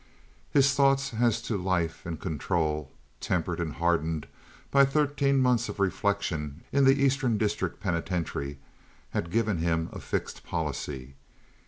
His thoughts as to life and control (tempered and hardened by thirteen months of reflection in the Eastern District Penitentiary) had given him a fixed policy.